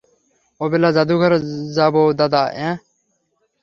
ওবেলা জাদুঘর যাব দাদা, অ্যাঁ?